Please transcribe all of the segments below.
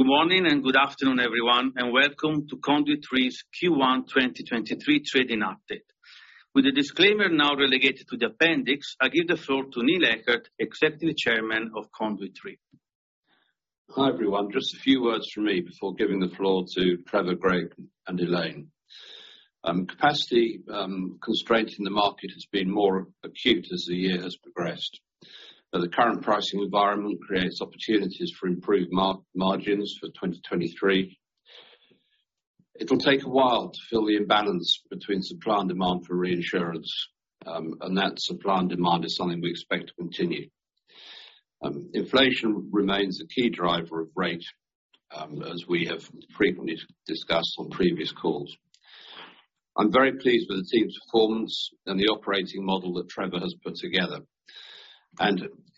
Good morning and good afternoon, everyone, and welcome to Conduit Re's Q1 2023 trading update. With the disclaimer now relegated to the appendix, I give the floor to Neil Eckert, Executive Chairman of Conduit Re. Hi, everyone. Just a few words from me before giving the floor to Trevor, Greg, and Elaine. Capacity constraint in the market has been more acute as the year has progressed. The current pricing environment creates opportunities for improved margins for 2023. It'll take a while to fill the imbalance between supply and demand for reinsurance, and that supply and demand is something we expect to continue. Inflation remains a key driver of rate, as we have frequently discussed on previous calls. I'm very pleased with the team's performance and the operating model that Trevor has put together.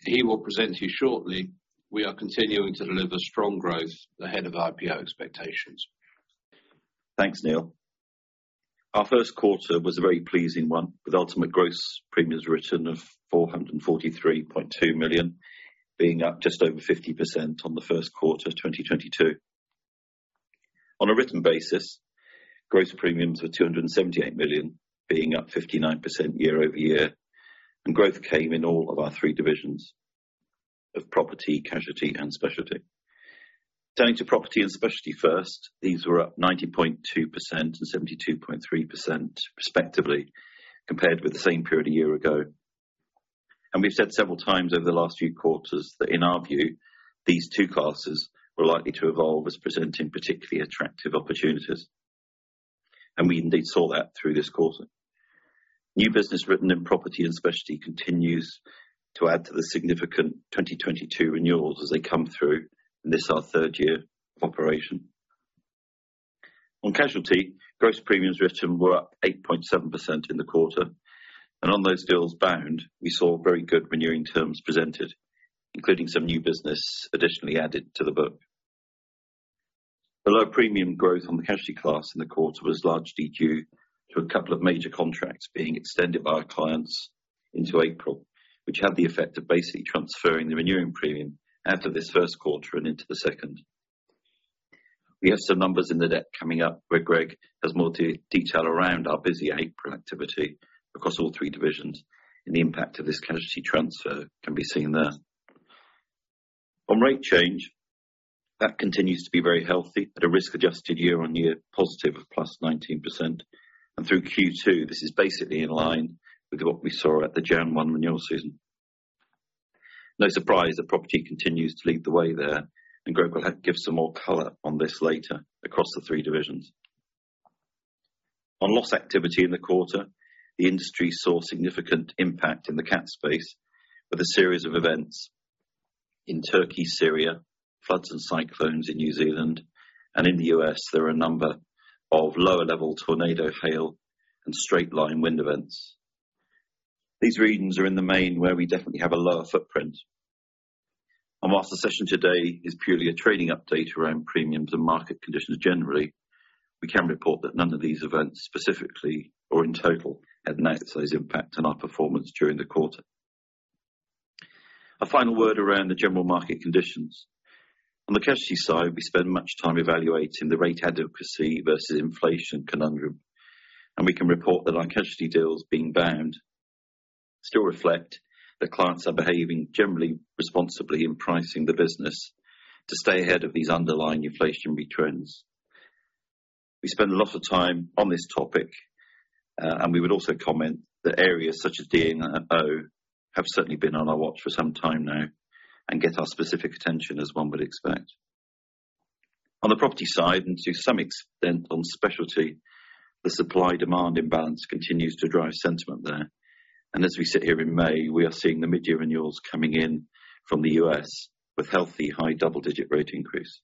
He will present to you shortly. We are continuing to deliver strong growth ahead of IPO expectations. Thanks, Neil. Our first quarter was a very pleasing one, with ultimate gross premiums written of $443.2 million, being up just over 50% on the first quarter of 2022. On a written basis, gross premiums were $278 million, being up 59% year-over-year, growth came in all of our three divisions of property, casualty, and specialty. Turning to property and specialty first, these were up 90.2% and 72.3% respectively, compared with the same period a year ago. We've said several times over the last few quarters that in our view, these two classes were likely to evolve as presenting particularly attractive opportunities. We indeed saw that through this quarter. New business written in property and specialty continues to add to the significant 2022 renewals as they come through in this, our third year of operation. On casualty, gross premiums written were up 8.7% in the quarter. On those deals bound, we saw very good renewing terms presented, including some new business additionally added to the book. The low premium growth on the casualty class in the quarter was largely due to a couple of major contracts being extended by our clients into April, which had the effect of basically transferring the renewing premium out of this first quarter and into the second. We have some numbers in the deck coming up where Greg has more detail around our busy April activity across all three divisions, and the impact of this casualty transfer can be seen there. On rate change, that continues to be very healthy at a risk adjusted year-on-year positive of +19%. Through Q2, this is basically in line with what we saw at the Jan 1st renewal season. No surprise that property continues to lead the way there, and Greg will give some more color on this later across the three divisions. On loss activity in the quarter, the industry saw significant impact in the cat space with a series of events in Turkey, Syria, floods and cyclones in New Zealand. In the U.S., there are a number of lower-level tornado hail and straight-line wind events. These regions are in the main where we definitely have a lower footprint. Whilst the session today is purely a trading update around premiums and market conditions generally, we can report that none of these events, specifically or in total, had an outsize impact on our performance during the quarter. A final word around the general market conditions. On the casualty side, we spend much time evaluating the rate advocacy versus inflation conundrum, and we can report that our casualty deals being bound still reflect that clients are behaving generally responsibly in pricing the business to stay ahead of these underlying inflation returns. We spend a lot of time on this topic, and we would also comment that areas such as D&O have certainly been on our watch for some time now and get our specific attention as one would expect. On the property side, to some extent on specialty, the supply demand imbalance continues to drive sentiment there. As we sit here in May, we are seeing the mid-year renewals coming in from the U.S. with healthy high double-digit rate increase.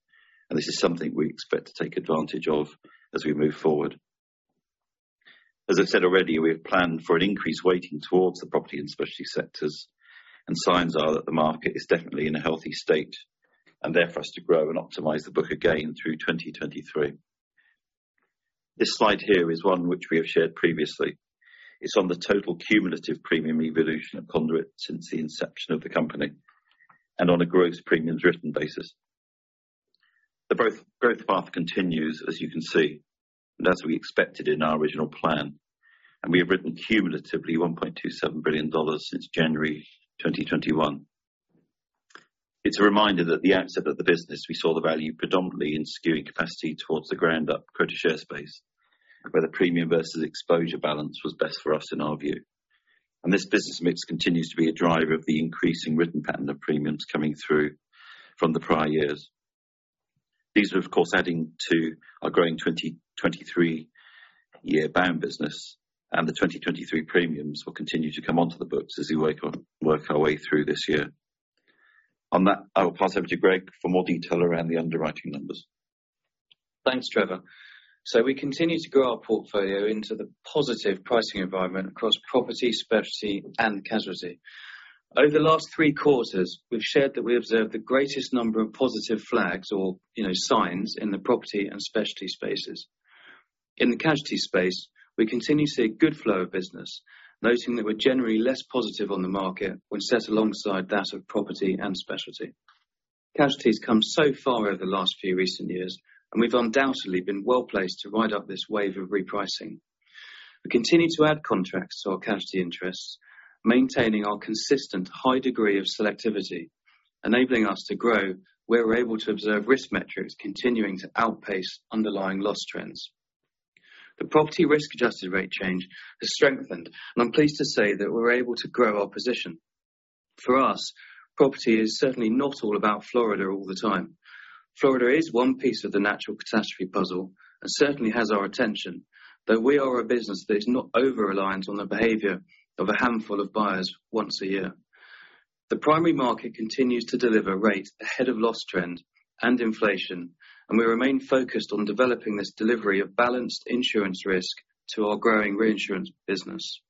This is something we expect to take advantage of as we move forward. As I've said already, we have planned for an increased weighting towards the property and specialty sectors, and signs are that the market is definitely in a healthy state and there for us to grow and optimize the book again through 2023. This slide here is one which we have shared previously. It's on the total cumulative premium evolution of Conduit since the inception of the company and on a gross premiums written basis. The growth path continues, as you can see, and as we expected in our original plan. We have written cumulatively $1.27 billion since January 2021. It's a reminder that at the outset of the business, we saw the value predominantly in skewing capacity towards the ground up quota share space, where the premium versus exposure balance was best for us in our view. This business mix continues to be a driver of the increasing written pattern of premiums coming through from the prior years. These are of course adding to our growing 2023-year bond business. The 2023 premiums will continue to come onto the books as we work our way through this year. On that, I will pass over to Greg for more detail around the underwriting numbers. Thanks, Trevor. We continue to grow our portfolio into the positive pricing environment across property, specialty, and casualty. Over the last three quarters, we've shared that we observed the greatest number of positive flags or, you know, signs in the property and specialty spaces. In the casualty space, we continue to see a good flow of business, noting that we're generally less positive on the market when set alongside that of property and specialty. Casualty has come so far over the last few recent years. We've undoubtedly been well placed to ride out this wave of repricing. We continue to add contracts to our casualty interests, maintaining our consistent high degree of selectivity, enabling us to grow where we're able to observe risk metrics continuing to outpace underlying loss trends. The property risk adjusted rate change has strengthened. I'm pleased to say that we're able to grow our position. For us, property is certainly not all about Florida all the time. Florida is one piece of the natural catastrophe puzzle and certainly has our attention, though we are a business that is not over-reliant on the behavior of a handful of buyers once a year. The primary market continues to deliver rates ahead of loss trend and inflation, and we remain focused on developing this delivery of balanced insurance risk to our growing reinsurance business.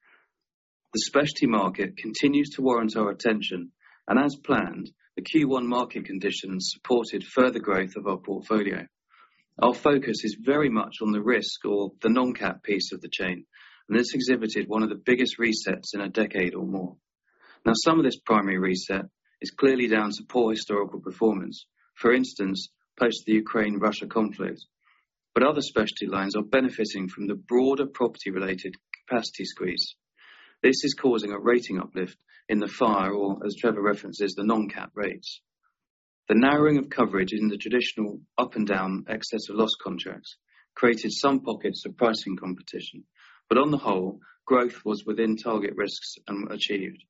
The specialty market continues to warrant our attention, and as planned, the Q1 market conditions supported further growth of our portfolio. Our focus is very much on the risk or the non-cat piece of the chain, and this exhibited one of the biggest resets in a decade or more. Some of this primary reset is clearly down to poor historical performance, for instance, post the Ukraine-Russia conflict. Other specialty lines are benefiting from the broader property related capacity squeeze. This is causing a rating uplift in the fire or, as Trevor references, the non-cat rates. The narrowing of coverage in the traditional up and down excess of loss contracts created some pockets of pricing competition. On the whole, growth was within target risks and achieved.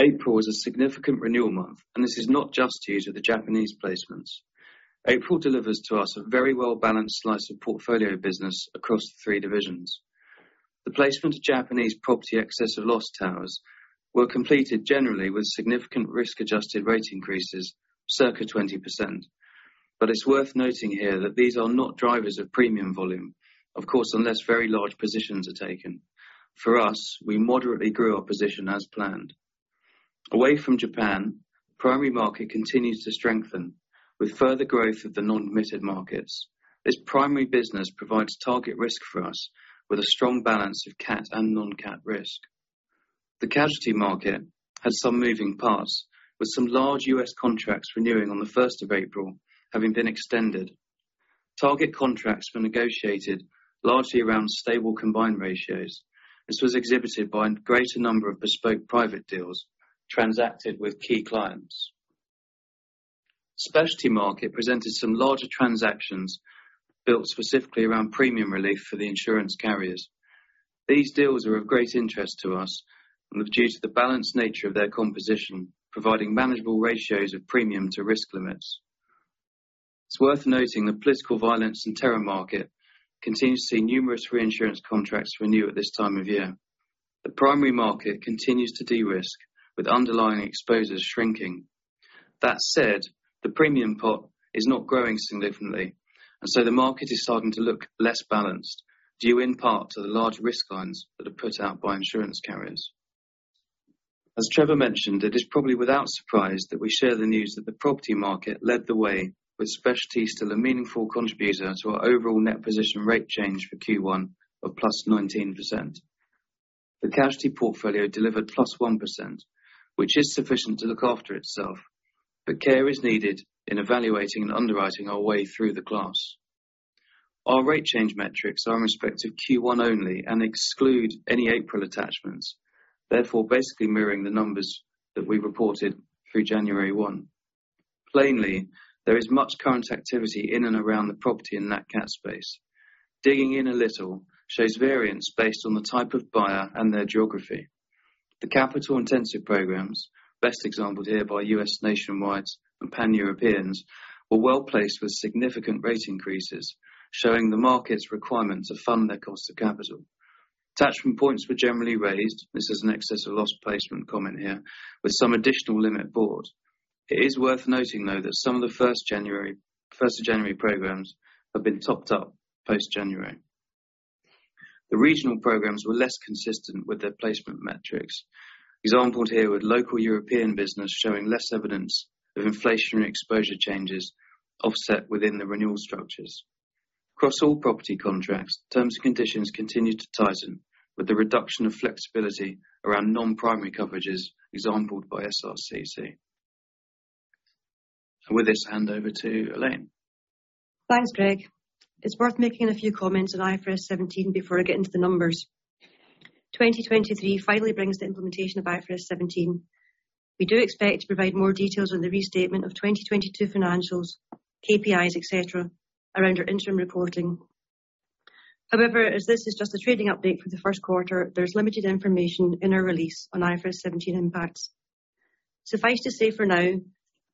April is a significant renewal month, and this is not just due to the Japanese placements. April delivers to us a very well balanced slice of portfolio business across the three divisions. The placement of Japanese property excess of loss towers were completed generally with significant risk adjusted rate increases, circa 20%. It's worth noting here that these are not drivers of premium volume, of course, unless very large positions are taken. For us, we moderately grew our position as planned. Away from Japan, primary market continues to strengthen with further growth of the non-admitted markets. This primary business provides target risk for us with a strong balance of cat and non-cat risk. The casualty market has some moving parts, with some large U.S. contracts renewing on the first of April having been extended. Target contracts were negotiated largely around stable combined ratios. This was exhibited by a greater number of bespoke private deals transacted with key clients. Specialty market presented some larger transactions built specifically around premium relief for the insurance carriers. These deals are of great interest to us and due to the balanced nature of their composition, providing manageable ratios of premium to risk limits. It's worth noting the political violence and terrorism market continues to see numerous reinsurance contracts renew at this time of year. The primary market continues to de-risk, with underlying exposures shrinking. The premium pot is not growing significantly, the market is starting to look less balanced, due in part to the large risk lines that are put out by insurance carriers. As Trevor mentioned, it is probably without surprise that we share the news that the property market led the way with specialty still a meaningful contributor to our overall net position rate change for Q1 of +19%. The casualty portfolio delivered +1%, which is sufficient to look after itself, care is needed in evaluating and underwriting our way through the class. Our rate change metrics are in respect to Q1 only and exclude any April attachments, therefore, basically mirroring the numbers that we reported through January 1. There is much current activity in and around the property in that cat space. Digging in a little shows variance based on the type of buyer and their geography. The capital intensive programs, best exampled here by U.S. nationwides and pan-Europeans, were well-placed with significant rate increases, showing the market's requirement to fund their cost of capital. Attachment points were generally raised. This is an excess of loss placement comment here, with some additional limit board. It is worth noting, though, that some of the 1st January, 1st of January programs have been topped up post-January. The regional programs were less consistent with their placement metrics, exampled here with local European business showing less evidence of inflationary exposure changes offset within the renewal structures. Across all property contracts, terms and conditions continued to tighten with the reduction of flexibility around non-primary coverages, exampled by SRCC. With this, hand over to Elaine. Thanks, Greg. It's worth making a few comments on IFRS 17 before I get into the numbers. 2023 finally brings the implementation of IFRS 17. We do expect to provide more details on the restatement of 2022 financials, KPIs, et cetera, around our interim reporting. As this is just a trading update for the first quarter, there's limited information in our release on IFRS 17 impacts. Suffice to say for now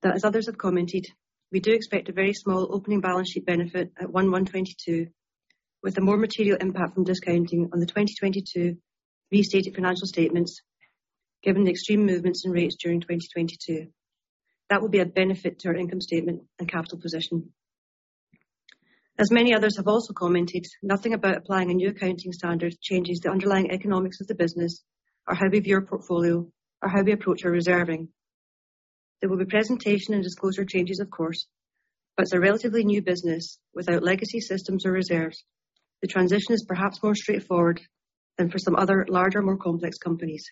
that as others have commented, we do expect a very small opening balance sheet benefit at 01/01/2022, with a more material impact from discounting on the 2022 restated financial statements, given the extreme movements in rates during 2022. That will be a benefit to our income statement and capital position. As many others have also commented, nothing about applying a new accounting standard changes the underlying economics of the business or how we view our portfolio or how we approach our reserving. There will be presentation and disclosure changes, of course, but it's a relatively new business without legacy systems or reserves. The transition is perhaps more straightforward than for some other larger, more complex companies.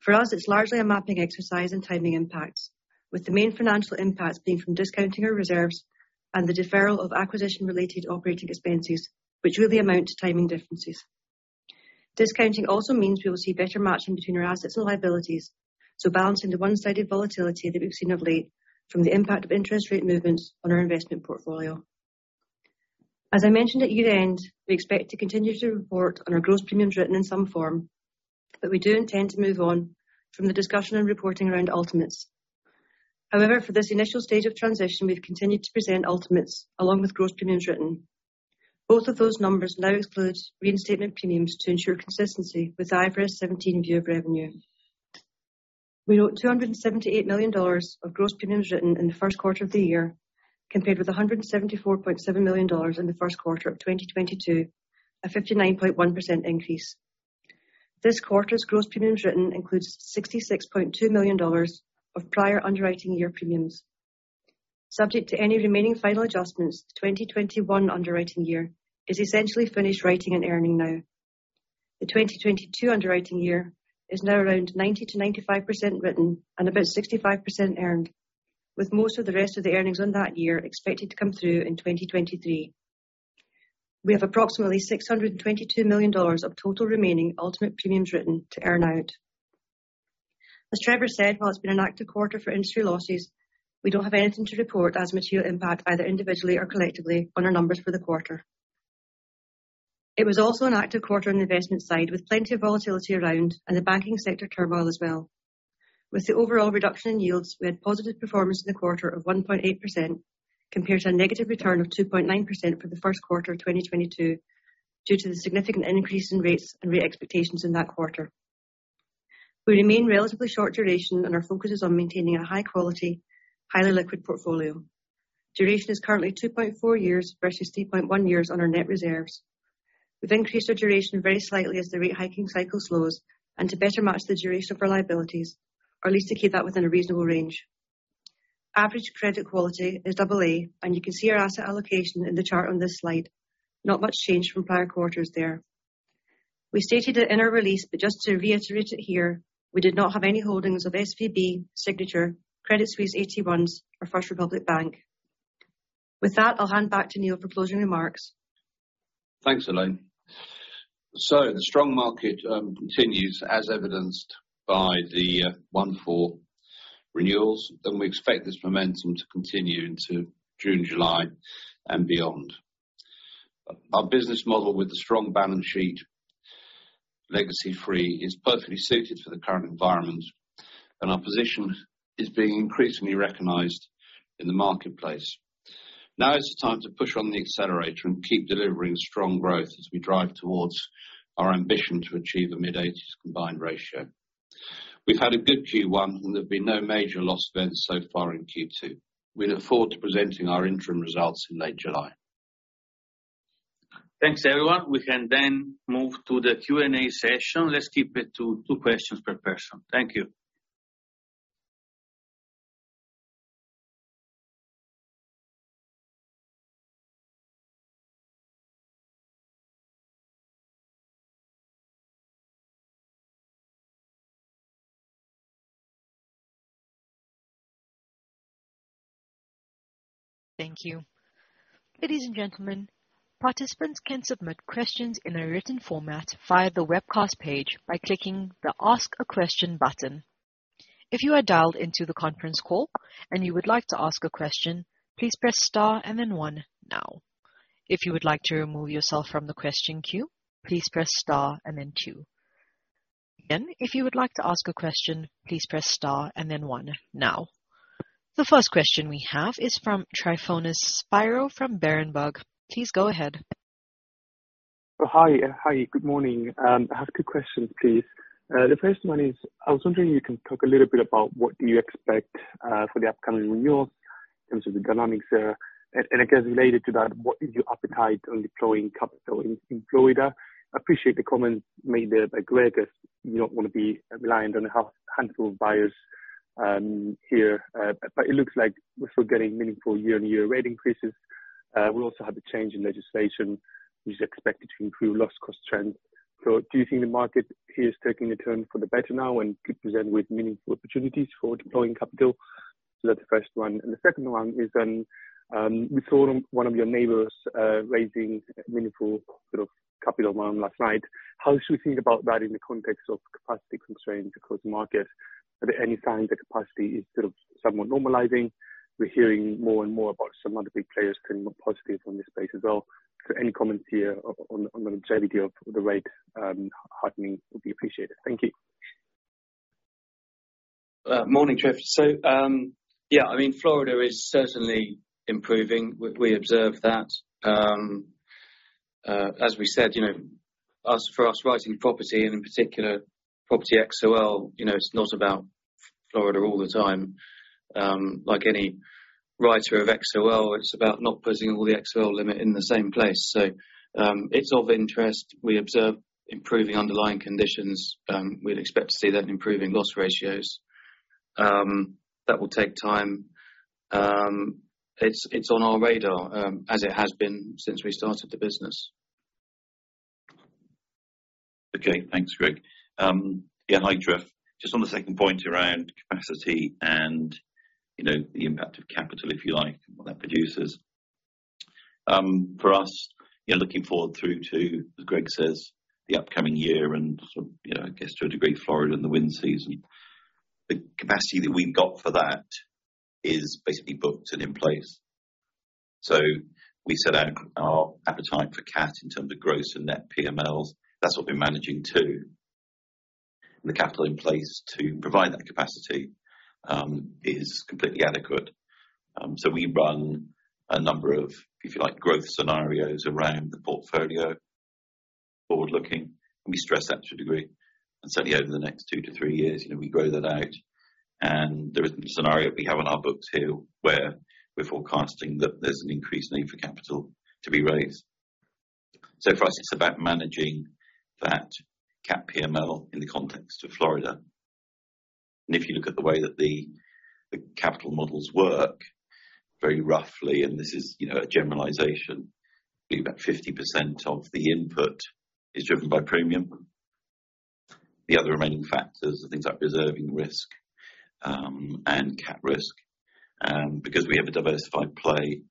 For us, it's largely a mapping exercise and timing impacts, with the main financial impacts being from discounting our reserves and the deferral of acquisition-related operating expenses, which really amount to timing differences. Discounting also means we will see better matching between our assets and liabilities, so balancing the one-sided volatility that we've seen of late from the impact of interest rate movements on our investment portfolio. As I mentioned at year-end, we expect to continue to report on our gross premiums written in some form. We do intend to move on from the discussion and reporting around ultimates. However, for this initial stage of transition, we've continued to present ultimates along with gross premiums written. Both of those numbers now exclude reinstatement premiums to ensure consistency with IFRS 17 view of revenue. We wrote $278 million of gross premiums written in the first quarter of the year, compared with $174.7 million in the first quarter of 2022, a 59.1% increase. This quarter's gross premiums written includes $66.2 million of prior underwriting year premiums. Subject to any remaining final adjustments, 2021 underwriting year is essentially finished writing and earning now. The 2022 underwriting year is now around 90%-95% written and about 65% earned, with most of the rest of the earnings on that year expected to come through in 2023. We have approximately $622 million of total remaining ultimate premiums written to earn out. As Trevor said, while it's been an active quarter for industry losses, we don't have anything to report as material impact, either individually or collectively, on our numbers for the quarter. It was also an active quarter on the investment side, with plenty of volatility around and the banking sector turmoil as well. With the overall reduction in yields, we had positive performance in the quarter of 1.8% compared to a negative return of 2.9% for the 1st quarter of 2022 due to the significant increase in rates and rate expectations in that quarter. We remain relatively short duration. Our focus is on maintaining a high quality, highly liquid portfolio. Duration is currently 2.4 years versus 3.1 years on our net reserves. We've increased our duration very slightly as the rate hiking cycle slows and to better match the duration of our liabilities, or at least to keep that within a reasonable range. Average credit quality is AA. You can see our asset allocation in the chart on this slide. Not much change from prior quarters there. We stated it in our release, but just to reiterate it here, we did not have any holdings of SVB, Signature, Credit Suisse, AT1, or First Republic Bank. With that, I'll hand back to Neil for closing remarks. Thanks, Elaine. The strong market continues as evidenced by the 1/4 renewals. We expect this momentum to continue into June, July, and beyond. Our business model with the strong balance sheet legacy-free is perfectly suited for the current environment. Our position is being increasingly recognized in the marketplace. Now is the time to push on the accelerator and keep delivering strong growth as we drive towards our ambition to achieve a mid-80s combined ratio. We've had a good Q1. There'll be no major loss events so far in Q2. We look forward to presenting our interim results in late July. Thanks, everyone. We can then move to the Q&A session. Let's keep it to two questions per person. Thank you. Thank you. Ladies and gentlemen, participants can submit questions in a written format via the webcast page by clicking the Ask a Question button. If you are dialed into the conference call and you would like to ask a question, please press star and then one now. If you would like to remove yourself from the question queue, please press star and then two. Again, if you would like to ask a question, please press star and then one now. The first question we have is from Tryfonas Spyrou from Berenberg. Please go ahead. Hi. Hi. Good morning. I have two questions, please. The first one is, I was wondering if you can talk a little bit about what you expect for the upcoming renewal in terms of the dynamics there. I guess related to that, what is your appetite on deploying capital in Florida? I appreciate the comments made there by Greg, as you don't wanna be reliant on a handful of buyers here. It looks like we're still getting meaningful year-on-year rate increases. We also have a change in legislation, which is expected to improve loss cost trends. Do you think the market here is taking a turn for the better now and could present with meaningful opportunities for deploying capital? That's the first one. The second one is, we saw one of your neighbors raising meaningful sort of capital round last night. How should we think about that in the context of capacity constraints across markets? Are there any signs that capacity is sort of somewhat normalizing? We're hearing more and more about some other big players turning positive on this space as well. Any comments here on the trajectory of the rate hardening would be appreciated. Thank you. Morning, Trevor. Yeah, I mean, Florida is certainly improving. We observed that. As we said, you know, for us writing property and in particular property XOL, you know, it's not about Florida all the time. Like any writer of XOL, it's about not putting all the XOL limit in the same place. It's of interest. We observe improving underlying conditions. We'd expect to see that improving loss ratios, that will take time. It's on our radar, as it has been since we started the business. Okay. Thanks, Greg. Yeah, hi, Drew. Just on the second point around capacity and, you know, the impact of capital, if you like, what that produces. For us, you know, looking forward through to, as Greg says, the upcoming year and sort of, you know, I guess to a degree, Florida and the wind season. The capacity that we've got for that is basically booked and in place. We set out our appetite for cat in terms of gross and net PMLs. That's what we're managing to. The capital in place to provide that capacity is completely adequate. We run a number of, if you like, growth scenarios around the portfolio forward-looking, and we stress that to a degree. Certainly over the next two to three years, you know, we grow that out. There isn't a scenario we have on our books here where we're forecasting that there's an increased need for capital to be raised. For us, it's about managing that cat PML in the context of Florida. If you look at the way that the capital models work very roughly, and this is, you know, a generalization. I think about 50% of the input is driven by premium. The other remaining factors are things like reserving risk, and cat risk. Because we have a diversified play,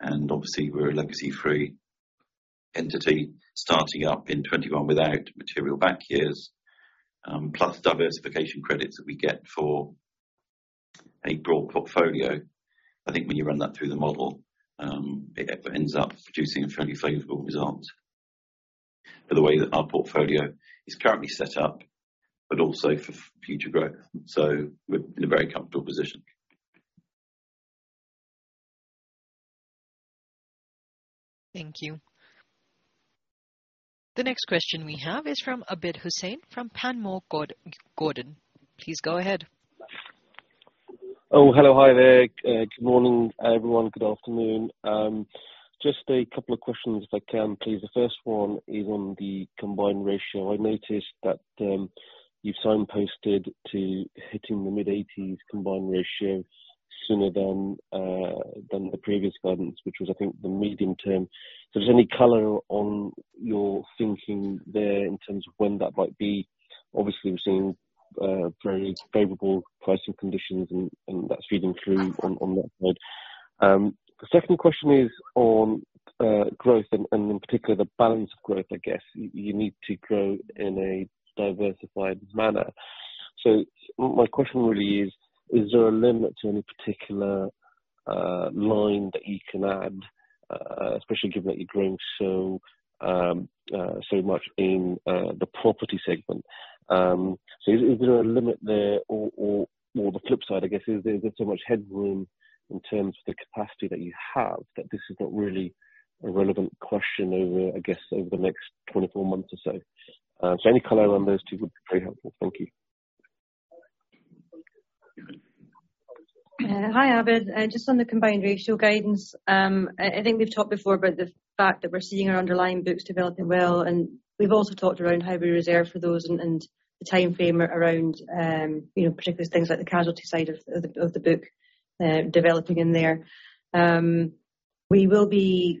and obviously we're a legacy-free entity starting up in 21 without material back years, plus diversification credits that we get for a broad portfolio. I think when you run that through the model, it ends up producing a fairly favorable result for the way that our portfolio is currently set up, but also for future growth. We're in a very comfortable position. Thank you. The next question we have is from Abid Hussain from Panmure Gordon. Please go ahead. Hello. Hi there. Good morning, everyone. Good afternoon. Just a couple of questions, if I can, please. The first one is on the combined ratio. I noticed that you signposted to hitting the mid-80s combined ratio sooner than the previous guidance, which was, I think, the medium term. Is there any color on your thinking there in terms of when that might be? Obviously, we're seeing very favorable pricing conditions and that's feeding through on that side. The second question is on growth and in particular, the balance of growth, I guess. You need to grow in a diversified manner. My question really is there a limit to any particular line that you can add, especially given that you're growing so much in the property segment? Is there a limit there or the flip side, I guess, is there so much headroom in terms of the capacity that you have that this is not really a relevant question over, I guess, over the next 24 months or so? Any color on those two would be very helpful. Thank you. Hi, Abid. Just on the combined ratio guidance, I think we've talked before about the fact that we're seeing our underlying books developing well, and we've also talked around how we reserve for those and the timeframe around, you know, particularly things like the casualty side of the book, developing in there. We will be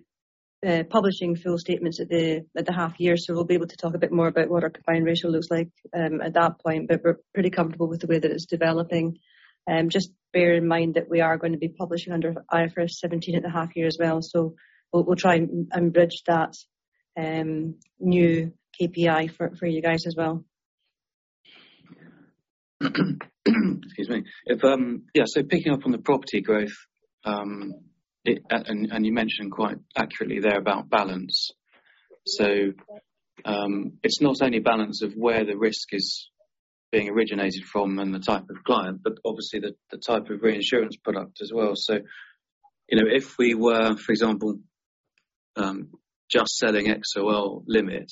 publishing full statements at the half year, so we'll be able to talk a bit more about what our combined ratio looks like at that point. We're pretty comfortable with the way that it's developing. Just bear in mind that we are gonna be publishing under IFRS 17 at the half year as well. We'll try and bridge that new KPI for you guys as well. Excuse me. If, yeah, picking up on the property growth, it. And you mentioned quite accurately there about balance. It's not only balance of where the risk is being originated from and the type of client, but obviously the type of reinsurance product as well. You know, if we were, for example, just selling XOL limit,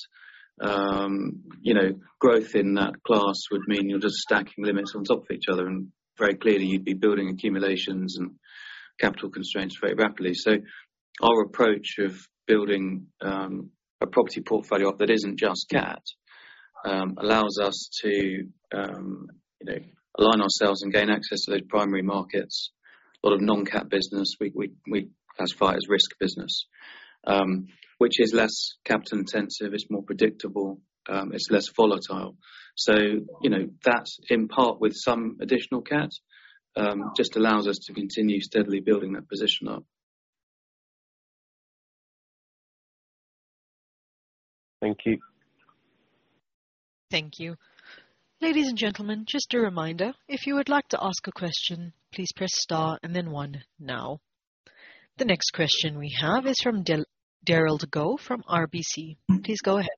you know, growth in that class would mean you're just stacking limits on top of each other, and very clearly you'd be building accumulations and capital constraints very rapidly. Our approach of building a property portfolio that isn't just cat, allows us to, you know, align ourselves and gain access to those primary markets. A lot of non-cat business we classify as risk business, which is less capital intensive, it's more predictable, it's less volatile. You know, that in part with some additional cat, just allows us to continue steadily building that position up. Thank you. Thank you. Ladies and gentlemen, just a reminder, if you would like to ask a question, please press star and then one now. The next question we have is from Darryl Goh from RBC. Please go ahead.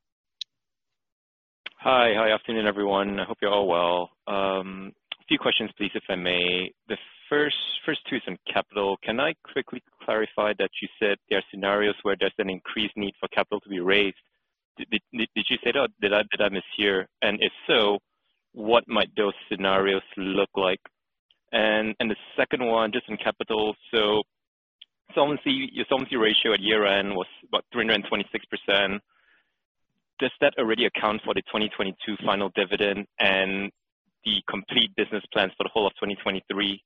Hi. Hi. Afternoon, everyone. I hope you're all well. A few questions, please, if I may. The first two is on capital. Can I quickly clarify that you said there are scenarios where there's an increased need for capital to be raised? Did you say that? Did I mishear? If so, what might those scenarios look like? The second one, just in capital. Solvency, your solvency ratio at year-end was about 326%. Does that already account for the 2022 final dividend and the complete business plans for the whole of 2023?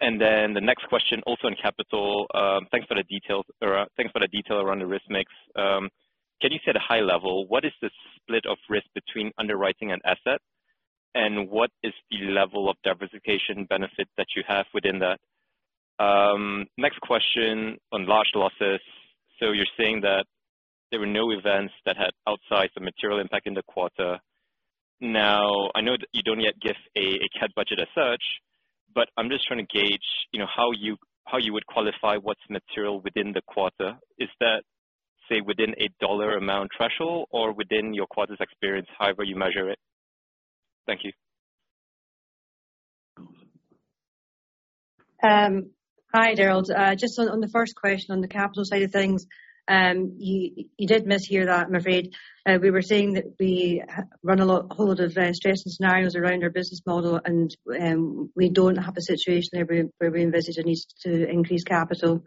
The next question, also in capital, thanks for the details or thanks for the detail around the risk mix. Can you say at a high level, what is the split of risk between underwriting and asset? What is the level of diversification benefit that you have within that? Next question on large losses. You're saying that there were no events that had outsized the material impact in the quarter. I know that you don't yet give a CAT budget as such, but I'm just trying to gauge, you know, how you, how you would qualify what's material within the quarter. Is that, say, within a dollar amount threshold or within your quarter's experience, however you measure it? Thank you. Hi, Gerald. Just on the first question on the capital side of things, you did mishear that, I'm afraid. We were saying that we run a whole lot of stress and scenarios around our business model, and we don't have a situation where we envisage a need to increase capital.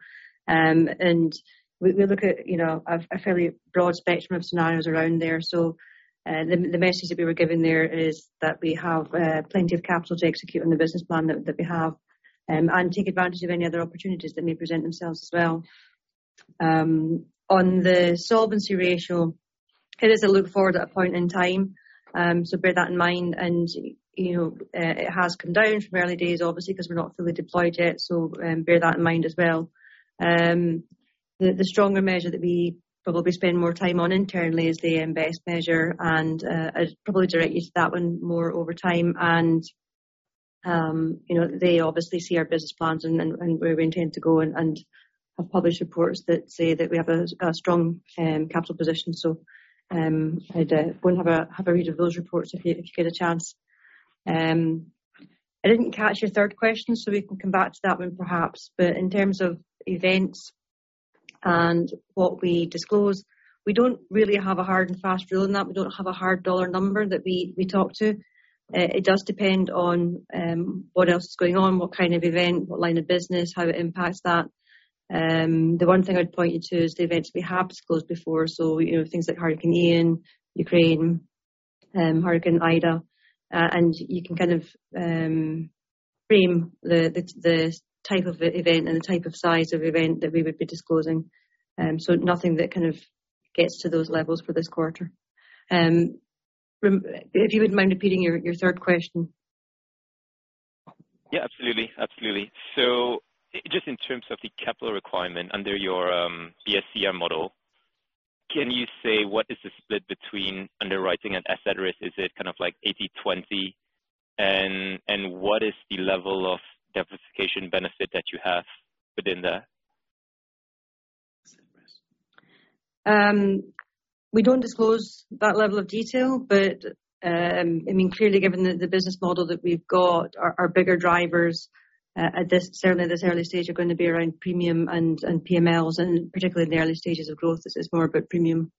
And we look at, you know, a fairly broad spectrum of scenarios around there. The message that we were giving there is that we have plenty of capital to execute on the business plan that we have, and take advantage of any other opportunities that may present themselves as well. On the solvency ratio, it is a look forward at a point in time, so bear that in mind. You know, it has come down from early days obviously, 'cause we're not fully deployed yet, so, bear that in mind as well. The stronger measure that we probably spend more time on internally is the invest measure and I'd probably direct you to that one more over time. You know, they obviously see our business plans and where we intend to go and have published reports that say that we have a strong capital position. I'd go and have a read of those reports if you get a chance. I didn't catch your third question, so we can come back to that one perhaps. In terms of events and what we disclose, we don't really have a hard and fast rule on that. We don't have a hard dollar number that we talk to. It does depend on what else is going on, what kind of event, what line of business, how it impacts that. The one thing I'd point you to is the events we have disclosed before. You know, things like Hurricane Ian, Ukraine, Hurricane Ida. You can kind of frame the type of event and the type of size of event that we would be disclosing. Nothing that kind of gets to those levels for this quarter. If you wouldn't mind repeating your third question. Yeah, absolutely. Absolutely. Just in terms of the capital requirement under your BSCR model, can you say what is the split between underwriting and asset risk? Is it kind of like 80/20? What is the level of diversification benefit that you have within that? We don't disclose that level of detail. I mean, clearly given the business model that we've got, our bigger drivers, at this, certainly this early stage are gonna be around premium and PMLs, and particularly in the early stages of growth, this is more about premium.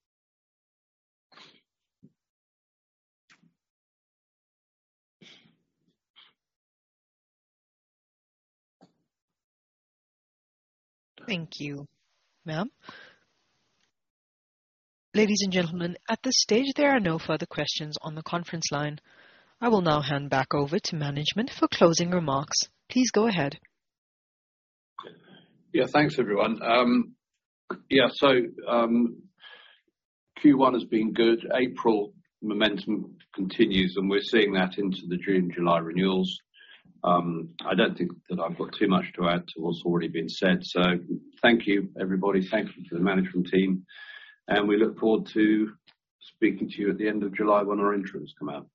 Thank you, ma'am. Ladies and gentlemen, at this stage, there are no further questions on the conference line. I will now hand back over to management for closing remarks. Please go ahead. Yeah, thanks, everyone. Q1 has been good. April momentum continues. We're seeing that into the June, July renewals. I don't think that I've got too much to add to what's already been said. Thank you, everybody. Thank you to the management team. We look forward to speaking to you at the end of July when our interim has come out.